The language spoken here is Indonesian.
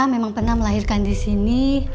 karena memang pernah melahirkan di sini